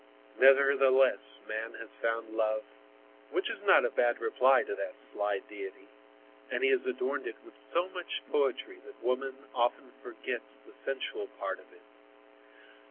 Nevertheless man has found love, which is not a bad reply to that sly Deity, and he has adorned it with so much poetry that woman often forgets the sensual part of it.